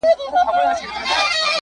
لويي څپې به لکه غرونه راځي!!